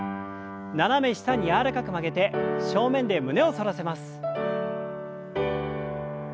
斜め下に柔らかく曲げて正面で胸を反らせます。